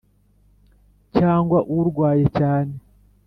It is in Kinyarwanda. cyangwa urwaye cyane